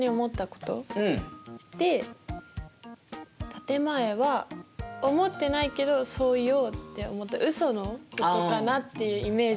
「建て前」は思ってないけどそう言おうって思ったウソのことかなっていうイメージを持っています。